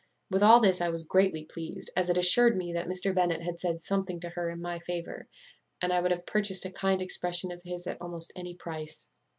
With all this I was greatly pleased, as it assured me that Mr. Bennet had said something to her in my favour; and I would have purchased a kind expression of his at almost any price.